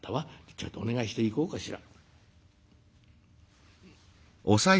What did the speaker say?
ちょいとお願いしていこうかしら」。